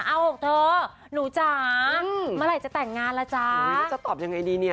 เอ้าหกเถอะหนูจ๋าอืมเมื่อไหร่จะแต่งงานล่ะจ๊ะอุ้ยจะตอบยังไงดีเนี่ยอ้อ